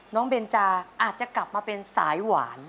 เบนจาอาจจะกลับมาเป็นสายหวาน